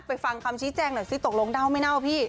ฟังคำชี้แจงหน่อยซิตกลงเน่าไม่เน่าพี่